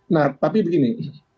nah tapi begini